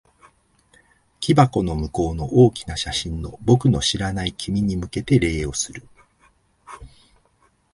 木箱の向こうの大きな写真の、僕の知らない君に向けて礼をする。